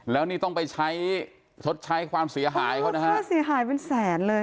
แล้วนี่ต้องไปใช้ชดใช้ความเสียหายเขานะฮะค่าเสียหายเป็นแสนเลย